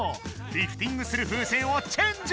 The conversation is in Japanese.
リフティングする風船をチェンジ！